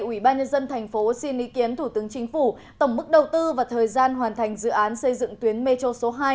ủy ban nhân dân thành phố xin ý kiến thủ tướng chính phủ tổng mức đầu tư và thời gian hoàn thành dự án xây dựng tuyến metro số hai